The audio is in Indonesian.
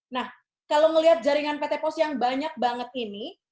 nah kalau melihat jaringan pt pos yang banyak banget ini